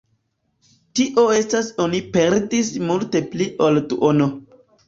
Tio estas oni perdis multe pli ol duono.